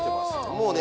もうね